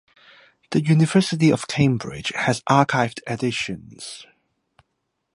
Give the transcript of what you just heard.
The University of Cambridge has archived editions.